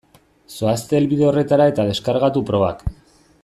Zoazte helbide horretara eta deskargatu probak.